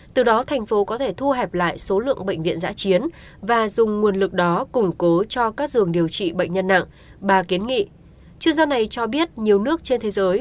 từ đó thành phố có thể thu hẹp lại số lượng bệnh viện giã chiến và dùng nguồn lực đó củng cố cho các dường điều trị bệnh nhân nặng bà kiến nghị